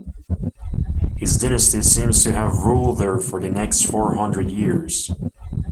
His dynasty seems to have ruled there for the next four hundred years.